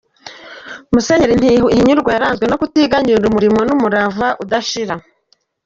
Musenyeri Ntihinyurwa yaranzwe no kutiganyira umurimo n’umurava udashira.